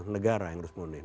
negara yang harus memenuhi